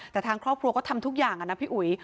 แต่ทางครอบครัวก็ทำทุกอย่างนะพี่อุ๋ย